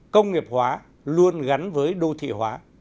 công nghiệp hóa luôn gắn với đô thị hóa